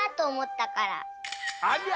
ありゃ！